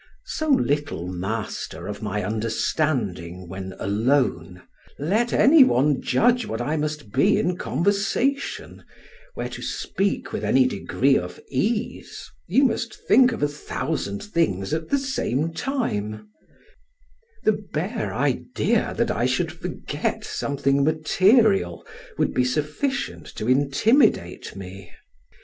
So little master of my understanding when alone, let any one judge what I must be in conversation, where to speak with any degree of ease you must think of a thousand things at the same time: the bare idea that I should forget something material would be sufficient to intimidate me.